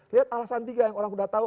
lihat alasan tiga yang orang sudah tahu